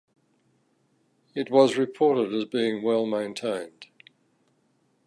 It was reported as being well maintained.